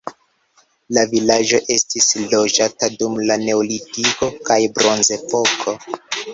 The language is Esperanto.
La vilaĝo estis loĝata dum la neolitiko kaj bronzepoko.